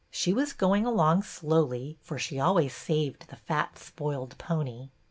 She was going along slowly, for she always saved the fat, spoiled pony.